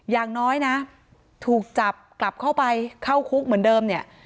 อย่างน้อยนะถูกจับกลับเข้าไปเข้าคุกเหมือนเดิมเนี่ย